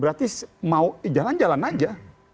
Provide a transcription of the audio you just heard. berarti mau jalan jalan aja